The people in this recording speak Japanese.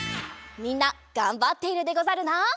みんながんばっているでござるな。